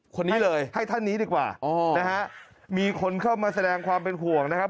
คนนี้เลยให้ท่านนี้ดีกว่านะฮะมีคนเข้ามาแสดงความเป็นห่วงนะครับ